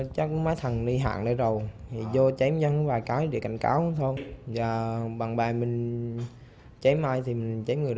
chắc má thằng đi hạng đây rồi vô chém vắng vài cái để cảnh cáo thôi và bằng bài mình chém ai thì mình chém người đó